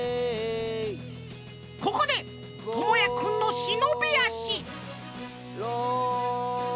ここでともやくんの忍び足６。